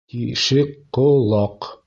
Ти-шек ҡо-лаҡ